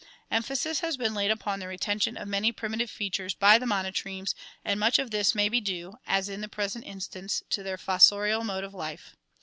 Emphasis has been laid upon the retention of many primitive features by the monotremes and much of this may be due, as in the present instance, to their fos sorial mode of life.